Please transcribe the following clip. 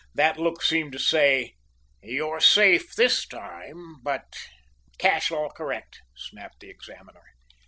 That look seemed to say: "You're safe this time, but " "Cash all correct," snapped the examiner.